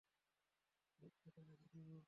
আমি এটা রেখে দেবো।